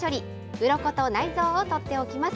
うろこと内臓を取っておきます。